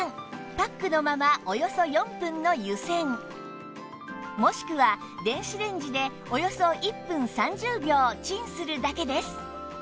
パックのままおよそ４分の湯煎もしくは電子レンジでおよそ１分３０秒チンするだけです